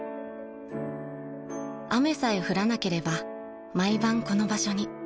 ［雨さえ降らなければ毎晩この場所に］